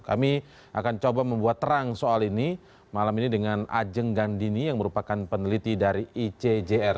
kami akan coba membuat terang soal ini malam ini dengan ajeng gandini yang merupakan peneliti dari icjr